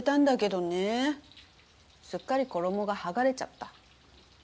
すっかり衣が剥がれちゃった。